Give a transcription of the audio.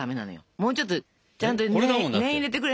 もうちょっとちゃんと念入れてくれないと。